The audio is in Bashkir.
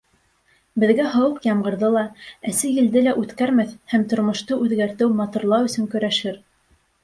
Беҙгә һыуыҡ ямғырҙы ла, әсе елде лә үткәрмәҫ һәм тормошто үҙгәртеү, матурлау өсөн көрәшер.